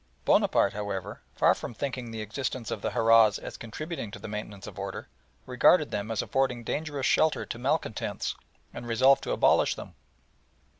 Bonaparte, however, far from thinking the existence of the harahs as contributing to the maintenance of order, regarded them as affording dangerous shelter to malcontents, and resolved to abolish them.